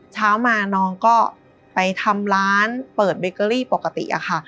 เช้ามาน้องก็ไปทำร้านเปิดเบเกอรี่ปกติอะค่ะ